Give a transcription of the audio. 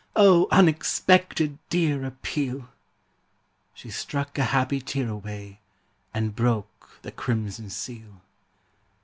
Oh, unexpected, dear appeal!' She struck a happy tear away, And broke the crimson seal.